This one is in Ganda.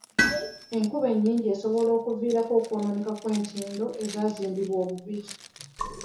Enkuba ennyingi esobola okuviirako okwonooneka kw'entindo ezaazimbibwa obubi.